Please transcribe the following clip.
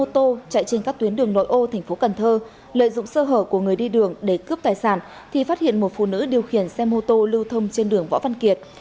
ô tô chạy trên các tuyến đường nội ô thành phố cần thơ lợi dụng sơ hở của người đi đường để cướp tài sản thì phát hiện một phụ nữ điều khiển xe mô tô lưu thông trên đường võ văn kiệt